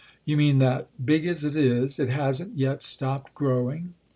"You mean that—big as it is—it hasn't yet stopped growing?"